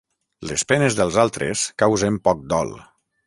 Les penes dels altres causen poc dol.